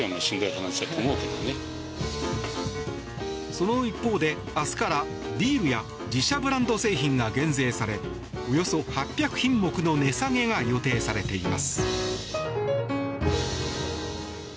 その一方で明日から、ビールや自社ブランド製品が減税されおよそ８００品目の値下げが予定されています。